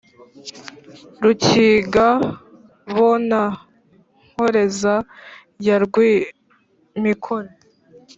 rukiga bo na nkoreza ya rwimikore,